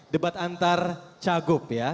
debat antar cagup ya